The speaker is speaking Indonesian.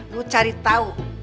lu cari tau